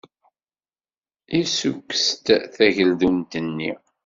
Yessukkes-d tageldunt-nni.